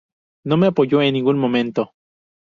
No me apoyó en ningún momento.